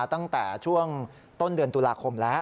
ตั้งแต่ช่วงต้นเดือนตุลาคมแล้ว